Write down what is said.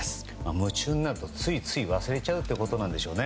夢中になるとついつい忘れちゃうということなんでしょうね。